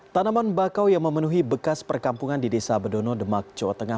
tanaman bakau yang memenuhi bekas perkampungan di desa bedono demak jawa tengah